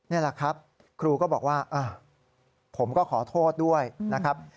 นี่แหละครับครูก็บอกว่าผมก็ขอโทษด้วยนะครับ